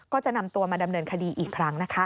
ก็จะนำตัวมาดำเนินคดีอีกครั้งนะคะ